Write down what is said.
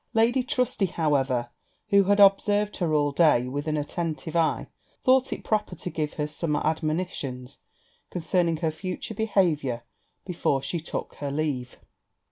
Lady Trusty, however, who had observed her all day with an attentive eye, thought it proper to give her some admonitions concerning her future behaviour, before she took her leave.